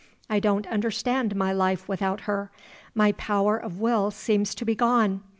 I don't understand my life without her. My power of will seems to be gone.